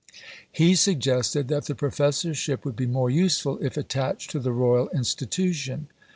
He suggested that the Professorship would be more useful if attached to the Royal Institution.